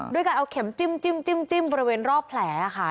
ด้วยการเอาเข็มจิ้มบริเวณรอบแผลค่ะ